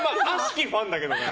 悪しきファンだけどね。